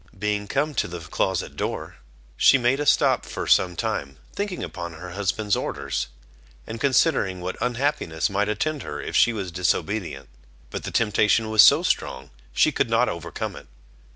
Being come to the closet door, she made a stop for some time, thinking upon her husband's orders, and considering what unhappiness might attend her if she was disobedient; but the temptation was so strong she could not overcome it.